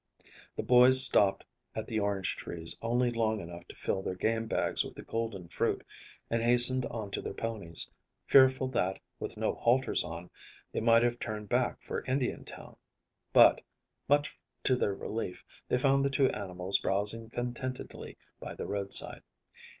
The boys stopped at the orange trees only long enough to fill their game bags with the golden fruit, and hastened on to their ponies, fearful that, with no halters on, they might have turned back for Indiantown, but, much to their relief, they found the two animals browsing contentedly by the roadside.